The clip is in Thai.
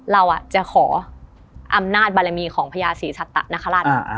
เราจะขออำนาจบรรยามีของพญาศิสตนครรภ์